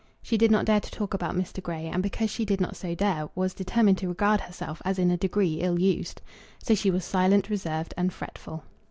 She did not dare to talk about Mr. Grey, and because she did not so dare, was determined to regard herself as in a degree ill used. So she was silent, reserved, and fretful.